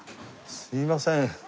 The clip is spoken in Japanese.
すいません。